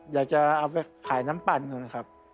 อยากจะเอาไปขายน้ำปั่นก่อนนะครับ